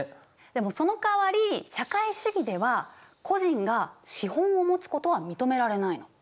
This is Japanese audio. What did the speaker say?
でもそのかわり社会主義では個人が資本を持つことは認められない。